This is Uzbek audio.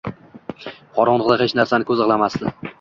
Qorong‘uda hech narsani ko‘z ilg‘amasdi.